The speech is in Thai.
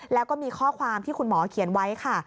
แล้วก็มีข้อความที่คุณหมอเขียนไว้ค่ะ